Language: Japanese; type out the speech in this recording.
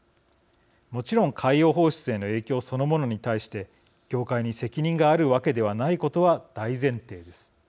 もちろん、海洋放出への影響そのものに対して、業界に責任があるわけではないことは大前提です。